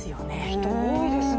人、多いですね。